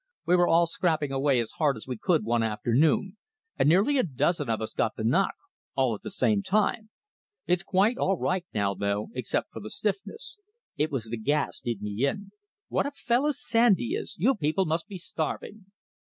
"We were all scrapping away as hard as we could one afternoon, and nearly a dozen of us got the knock, all at the same time. It's quite all right now, though, except for the stiffness. It was the gas did me in.... What a fellow Sandy is! You people must be starving."